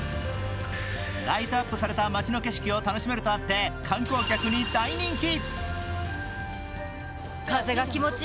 ライトアップされた街の景色を楽しめるとあって、観光客に大人気。